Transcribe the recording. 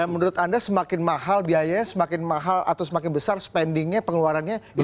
dan menurut anda semakin mahal biayanya semakin mahal atau semakin besar spendingnya pengeluarannya itu semakin bahaya